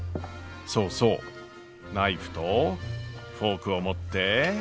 そうそうナイフとフォークを持って。